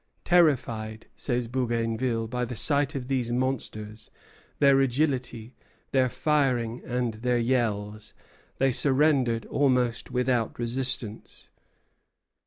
"Terrified," says Bougainville, "by the sight of these monsters, their agility, their firing, and their yells, they surrendered almost without resistance."